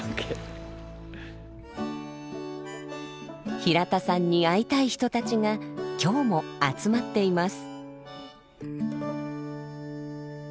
平田さんに会いたい人たちが今日も集まっています。